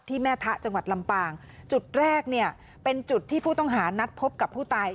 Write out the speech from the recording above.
แม่ทะจังหวัดลำปางจุดแรกเนี่ยเป็นจุดที่ผู้ต้องหานัดพบกับผู้ตาย